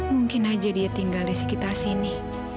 mungkin aja dia tinggal di sekitar sini